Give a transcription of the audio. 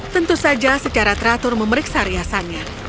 tentu saja secara teratur memeriksa riasannya